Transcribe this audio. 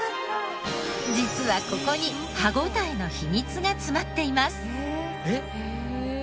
実はここに歯応えの秘密が詰まっています。